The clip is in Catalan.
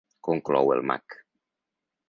Conclou el mag.